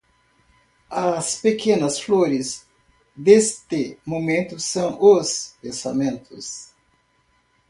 As pequenas flores deste momento são os pensamentos.